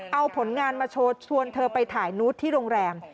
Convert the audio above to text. เอาผลงานมาโชว์ชวนเธอไปถ่ายนูตที่โรงแรม